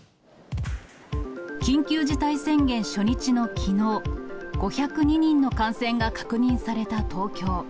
緊急事態宣言初日のきのう、５０２人の感染が確認された東京。